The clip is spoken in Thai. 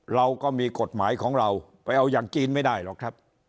เราก็มีกฎหมายของเราไปเอาอย่างจีนไม่ได้หรอกครับ